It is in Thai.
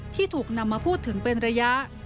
ที่ถูกนำมาพูดถึงเป็นระยะ